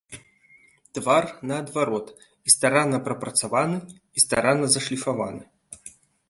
Твар, наадварот, і старанна прапрацаваны, і старанна зашліфаваны.